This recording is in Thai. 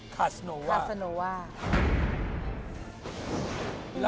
คาซาโนว่าคาซาโนว่าคาซาโนว่า